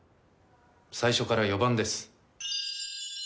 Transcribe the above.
最初から４番です。